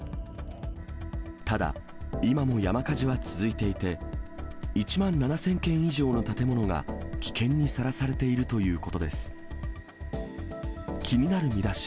ただ、今も山火事は続いていて、１万７０００軒以上の建物が危険にさらされているということです。